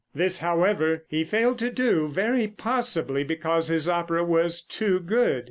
This, however, he failed to do, very possibly because his opera was too good.